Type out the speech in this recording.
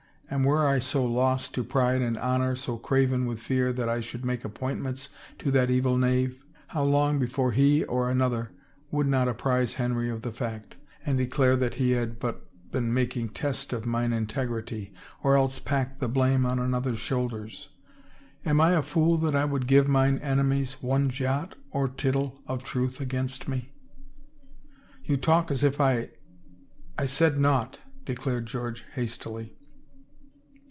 And were I so lost to pride and honor, so craven with fear, that I should make appointments to that evil knave, how long before he or another would not apprise Henry of the fact — and declare that he had but been making test of mine integrity or else pack the blame on another's shoulders? Am I a fool that I would give mine ene mies one jot or tittle of truth against me? "" You talk as if I — I said naught," declared George hastily.